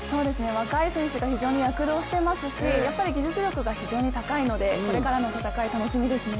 若い選手が非常に躍動していますし、やっぱり技術力が非常に高いので、これからの戦い楽しみですね。